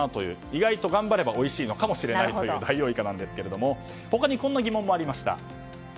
意外と頑張ればおいしいのかもしれないというダイオウイカなんですが他にこんな疑問もありました。